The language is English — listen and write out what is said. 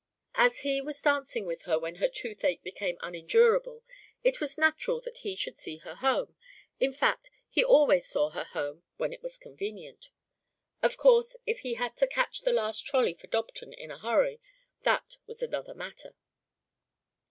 As he was dancing with her when her toothache became unendurable, it was natural that he should see her home; in fact, he always saw her home when it was convenient. Of course if he had to catch the last trolley for Dobton in a hurry, that was another matter.